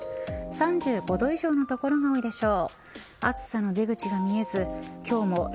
３５度以上の所が多いでしょう。